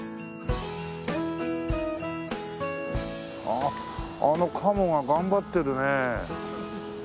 あああのカモが頑張ってるね。